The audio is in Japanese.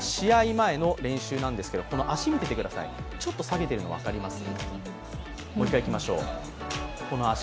前の練習なんですけど足見ててください、ちょっと下げてるの分かります？